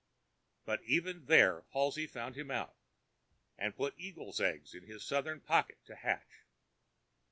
But even there Halsey found him out, and put eagles' eggs in his southern pockets to hatch.